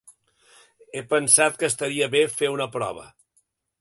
He pensat que estaria bé fer una prova.